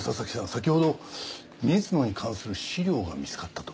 先ほど水野に関する資料が見つかったと？